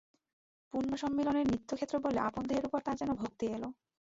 পুণ্যসম্মিলনের নিত্যক্ষেত্র বলে আপন দেহের উপর তার যেন ভক্তি এল।